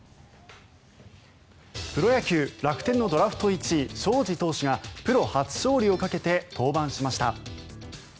プロ野球楽天のドラフト１位、荘司投手がプロ初勝利をかけて登板しました。